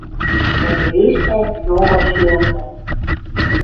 Дӓ пелештӓ, йонгын шӱлӓлтӓл: